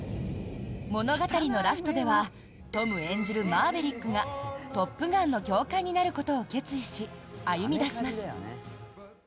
物語のラストではトム演じるマーヴェリックがトップガンの教官になることを決意し、歩み出します。